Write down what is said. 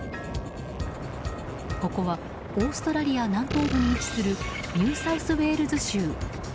ここはオーストラリア南東部に位置するニューサウスウェールズ州。